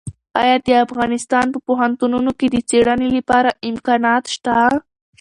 ایا د افغانستان په پوهنتونونو کې د څېړنې لپاره امکانات شته؟